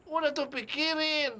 udah tuh pikirin